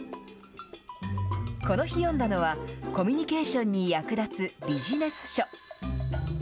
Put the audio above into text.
この日読んだのは、コミュニケーションに役立つビジネス書。